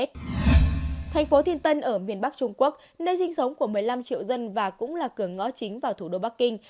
thành phố thiên tân ở miền bắc trung quốc nơi sinh sống của một mươi năm triệu dân và cũng là cửa ngõ chính vào thủ đô bắc kinh